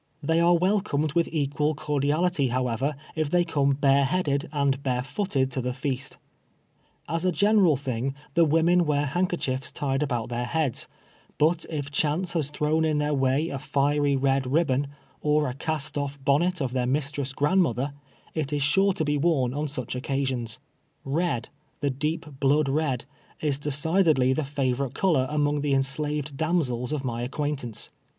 Tliey are welcomed with equal cordial ity, however, if they come bare headed and bare footed to the feast. As a general thing, the women wear handkerchiefs tied about their heads, but if chance has thrown in their way a fiery red ribbon, or a cast olf bonnet of their mistress' grandmother, it is sure to be worn on such occasions, lied — the deep blood red — is decidedly the favorite color among the enslaved damsels of my acquaintance.